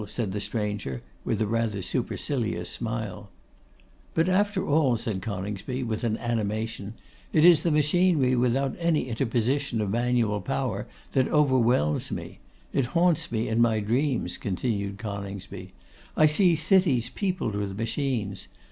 said the stranger, with a rather supercilious smile. 'But after all,' said Coningsby, with animation, 'it is the machinery without any interposition of manual power that overwhelms me. It haunts me in my dreams,' continued Coningsby; 'I see cities peopled with machines.